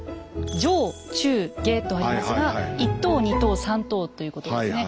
上中下とありますが１等２等３等ということですね。